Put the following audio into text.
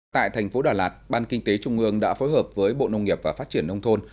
tại thành phố đà lạt ban kinh tế trung ương đã phối hợp với bộ nông nghiệp và phát triển nông thôn